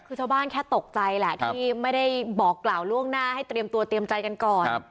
คือชาวบ้านแค่ตกใจแหละที่ไม่ได้บอกกล่าวล่วงหน้าให้เตรียมตัวเตรียมใจกันก่อน